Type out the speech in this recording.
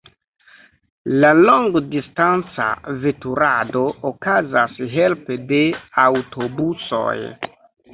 La longdistanca veturado okazas helpe de aŭtobusoj.